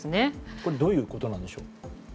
これはどういうことなんでしょう。